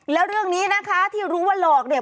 แล้วเรื่องนี้นะคะที่รู้ว่าหลอกเนี่ย